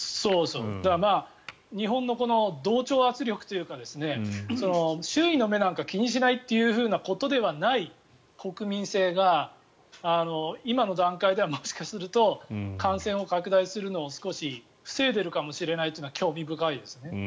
だから日本の同調圧力というか周囲の目なんか気にしないということではない国民性が今の段階ではもしかすると感染を拡大するのを少し防いでいるかもしれないというのは興味深いですね。